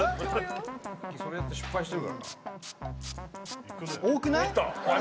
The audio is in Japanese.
それやって失敗してるからないくね